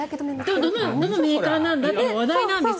でもどのメーカーなのかも話題なんです。